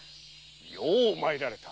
よう参られた。